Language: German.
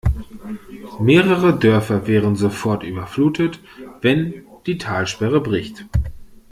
Mehrere Dörfer wären sofort überflutet, wenn die Talsperre bricht.